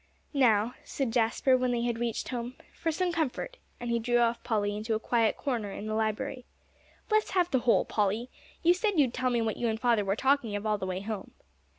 "Now," said Jasper, when they had reached home, "for some comfort," and he drew Polly off into a quiet corner in the library. "Let's have the whole, Polly. You said you'd tell me what you and father were talking of all the way home."